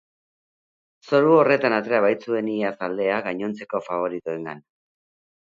Zoru horretan atera baitzuen iaz aldea gainontzeko faboritoengan.